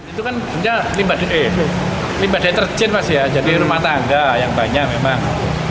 itu kan limbah deterjen jadi rumah tangga yang banyak memang